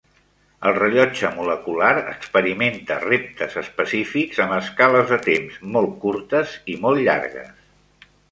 El rellotge molecular experimenta reptes específics amb escales de temps molt curtes i molt llargues.